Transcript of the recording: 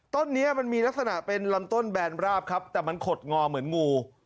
ต้นนี้มันมีลักษณะเป็นลำต้นแบนราบครับแต่มันขดงอเหมือนงู